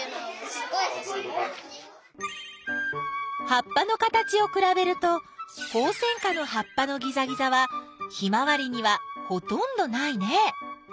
葉っぱの形をくらべるとホウセンカの葉っぱのギザギザはヒマワリにはほとんどないね。